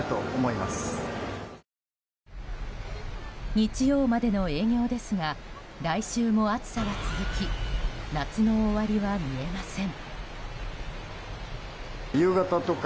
日曜までの営業ですが来週も暑さは続き夏の終わりは見えません。